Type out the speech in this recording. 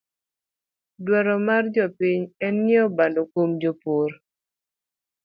Dwaro mar jopiny en nyieo bando kwuom jopurr